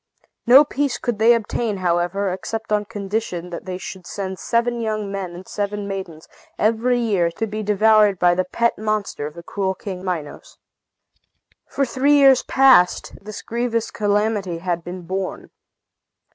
No peace could they obtain, however, except on condition that they should send seven young men and seven maidens, every year, to be devoured by the pet monster of the cruel King Minos. For three years past, this grievous calamity had been borne.